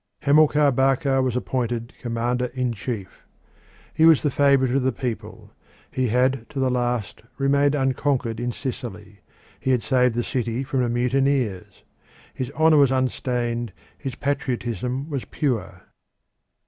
Hamilcar Barca was appointed commander in chief. He was the favourite of the people. He had to the last remained unconquered in Sicily. He had saved the city from the mutineers. His honour was unstained, his patriotism was pure.